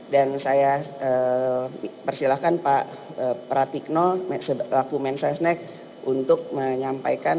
dan saya persilahkan pak pratikno laku mensesnek untuk menyampaikan